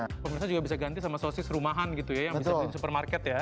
pemirsa juga bisa ganti sama sosis rumahan gitu ya yang bisa di supermarket ya